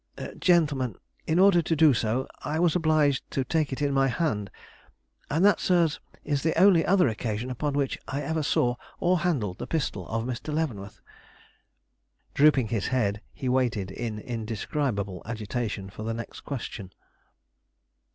Gentlemen, in order to do so, I was obliged to take it in my hand; and that, sirs, is the only other occasion upon which I ever saw or handled the pistol of Mr. Leavenworth." Drooping his head, he waited in indescribable agitation for the next question.